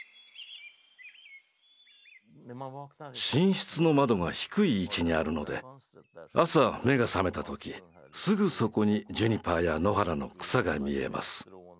寝室の窓が低い位置にあるので朝目が覚めた時すぐそこにジュニパーや野原の草が見えます。